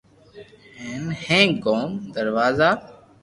ھین ھینگ گوم دروازا